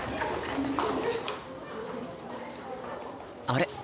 あれ？